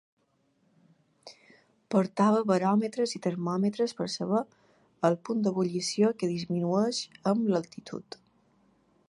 Portava baròmetres i termòmetres per saber el punt d'ebullició que disminueix amb l'altitud.